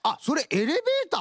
エレベーター！